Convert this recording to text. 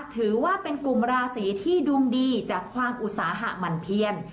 ถือว่าเป็นกลุ่มราศีที่ดวงดีจากความอุตสาหะหมั่นเพียน